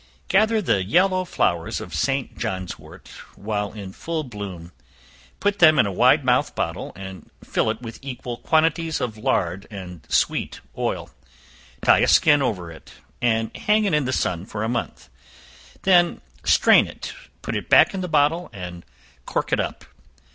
Gather the yellow flowers of St. Johnswort while in full bloom; put them in a wide mouthed bottle, and fill it with equal quantities of lard and sweet oil; tie a skin over it, and hang it in the sun for a month; then strain it, put it back in the bottle, and cork it up.